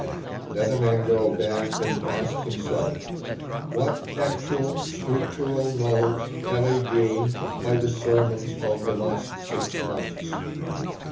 Let a man go back and ask himself, What actual scriptural knowledge have I gained by the sermons of the last six months?